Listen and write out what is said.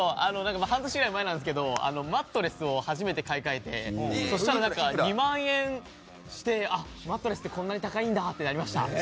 半年ぐらい前なんですけどマットレスを初めて買い替えてそしたら、２万円してあ、マットレスって、こんなに高いんだってなりました。